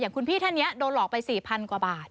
อย่างคุณพี่ท่านเนี่ยโดนหลอกไป๔๐๐๐กว่าบาท